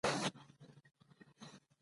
ادارې باید ولس ته خدمت وکړي